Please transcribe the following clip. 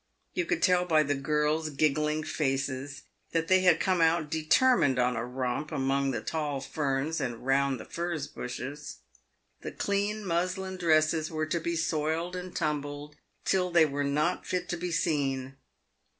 You could tell by the girls' giggling faces that they had come out determined on a romp among the tall ferns and round the furze bushes. The clean muslin dresses were to be soiled and tumbled till they were not fit to be seen.